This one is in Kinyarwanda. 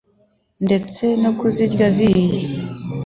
ndetse no kuzirya zihiye,